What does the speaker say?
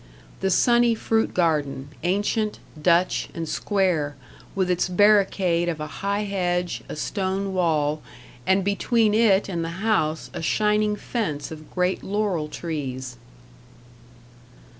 The sunny fruit garden ancient, Dutch, and square with its barricade of a high hedge, a stone wall, and between it and the house a shining fence of great laurel trees.